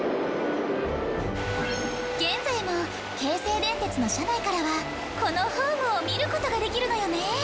現在も京成電鉄の車内からはこのホームを見る事ができるのよね。